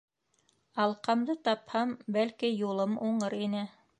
Алҡамды тапһам, бәлки, юлым уңыр ине.